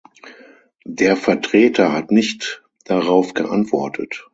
Der Vertreter hat nicht darauf geantwortet.